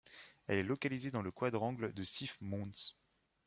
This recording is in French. Elle est localisée dans le quadrangle de Sif Mons.